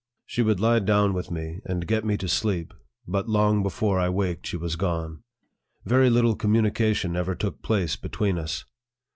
She would lie down with me, and get me to sleep, but long before I waked she was gone. Very little com munication ever took place between us.